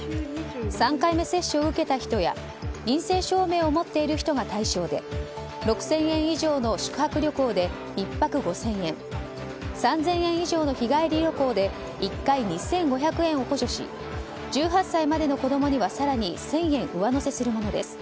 ３回目接種を受けた人や陰性証明を持っている人が対象で６０００円以上の宿泊旅行で１泊５０００円３０００円以上の日帰り旅行で１回２５００円を補助し１８歳までの子供には更に１０００円上乗せするものです。